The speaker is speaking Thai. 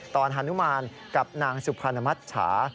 ตอนฮานุมานกับนางสุพานามัฐษา